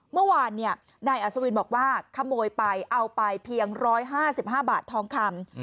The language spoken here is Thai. เมื่อวานนายอัศวินบอกว่าขโมยไปเอาไปเพียง๑๕๕บาททองคำ